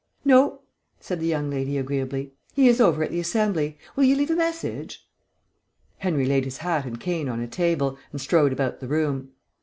"No," said the young lady agreeably. "He is over at the Assembly. Will you leave a message?" Henry laid his hat and cane on a table, and strode about the room.